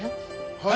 はい！